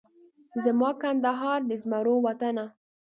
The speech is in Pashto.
زما کندهاره د زمرو وطنه